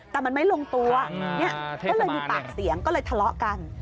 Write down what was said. แต่มันไม่ลงตัวเนี่ยก็เลยมีปากเสียงก็เลยทะเลาะกัน